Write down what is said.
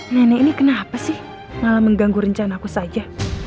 nenek ini kenapa sih malah mengganggu rencana aku saja